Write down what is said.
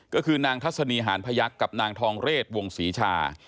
ก็คือนางทัศนีหานพยักษ์กับนางทองเรศวงศรีชา